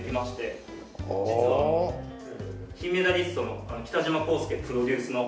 実は金メダリストの北島康介プロデュースの。